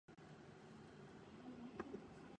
ネイルオイル欲しい